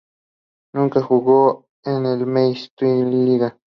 Nunca jugó en la Meistriliiga.